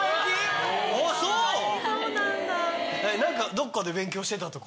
どっかで勉強してたとか？